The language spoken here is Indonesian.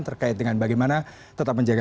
terkait dengan bagaimana tetap menjaga